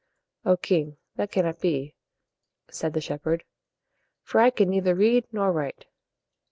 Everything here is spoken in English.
"O king! that cannot be," said the shepherd; "for I can neither read nor write."